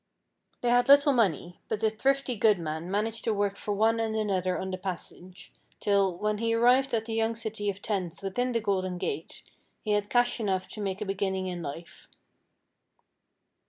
They had little money, but the thrifty good man managed to work for one and another on the passage, till, when he arrived at the young city of tents within the Golden Gate, he had cash enough to make a beginning in life.